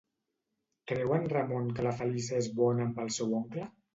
Creu en Ramon que la Feliça és bona amb el seu oncle?